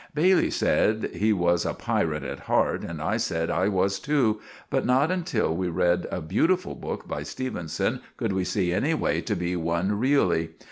Bailey sed he was a pirit at heart, and I sed I was to; but not untell we red a butiful book by Stevenson could we see any way to be one reelly.